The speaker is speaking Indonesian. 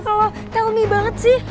kalau tell me banget sih